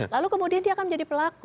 lalu kemudian dia akan menjadi pelaku